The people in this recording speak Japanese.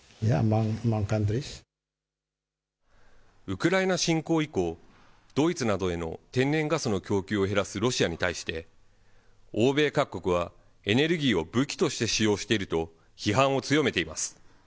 ウクライナ侵攻以降、ドイツなどへの天然ガスの供給を減らすロシアに対して、欧米各国はエネルギーを武器として使用していると批判を強めています。